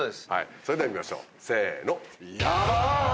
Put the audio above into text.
それでは見ましょうせの。